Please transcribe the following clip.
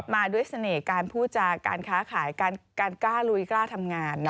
มาด้วยเสน่ห์การผู้จารย์การค้าขายการกล้าทำงาน